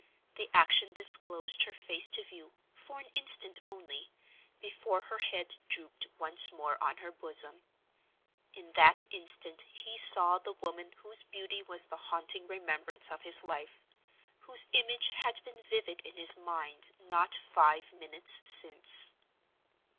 The action disclosed her face to view, for an instant only, before her head drooped once more on her bosom. In that instant he saw the woman whose beauty was the haunting remembrance of his life—whose image had been vivid in his mind not five minutes since.